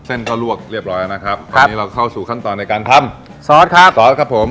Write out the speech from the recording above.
เส้นก็ลวกเรียบร้อยแล้วนะครับตอนนี้เราเข้าสู่ขั้นตอนในการทำซอสครับซอสครับผม